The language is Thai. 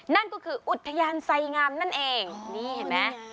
นั่นก็คืออุทยานไสงามนั่นเองนี่เห็นไหม